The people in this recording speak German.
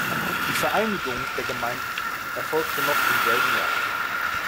Die Vereinigung der Gemeinden erfolgte noch im selben Jahr.